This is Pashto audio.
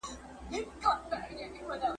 سمدستي به ټولي سر سوې په خوړلو ,